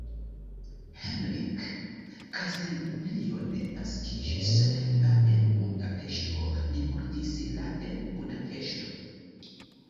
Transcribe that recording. Henrik Castiglione naskiĝis la en Budapeŝto, li mortis la en Budapeŝto.